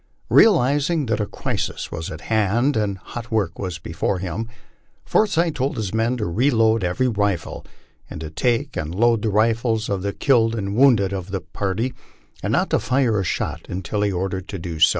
Realizing that a crisis was at hand, and hot work was before him, Forsyth told his men to reload every rifle and to take and load the rifles of the killed and wounded of the par ty, and not to fire a shot until ordered to do so.